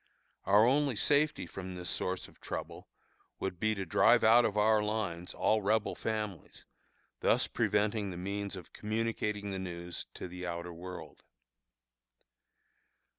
Our only safety from this source of trouble would be to drive out of our lines all Rebel families, thus preventing the means of communicating the news to the outer world.